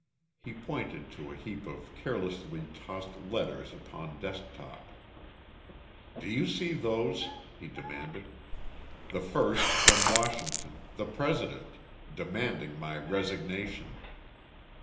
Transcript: He pointed to a heap of carelessly tossed letters upon desk top. "Do you see those?" he demanded. "The first from Washington the President demanding my resignation.